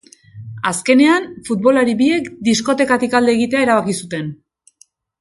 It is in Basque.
Azkenean, futbolari biek diskotekatik alde egitea erabaki zuten.